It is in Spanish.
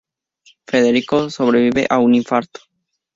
Federico sobrevive a un infarto.